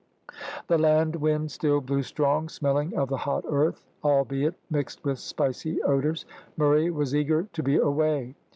The land wind still blew strong, smelling of the hot earth, albeit mixed with spicy odours. Murray was eager to be away.